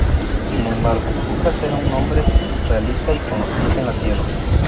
Sin embargo, Lucas era un hombre realista y con los pies en la tierra.